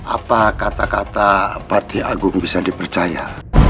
apa kata kata parti agung bisa dipercaya